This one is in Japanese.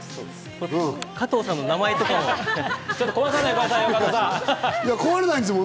加藤さんの名前とかも。